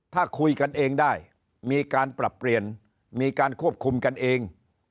ถ้าคุยกันเองได้มีการปรับเปลี่ยนมีการควบคุมกันเอง